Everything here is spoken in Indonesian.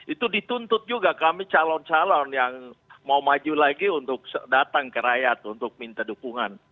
itu dituntut juga kami calon calon yang mau maju lagi untuk datang ke rakyat untuk minta dukungan